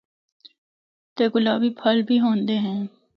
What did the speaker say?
تے گلابی پُھل بھی ہوندے ہن۔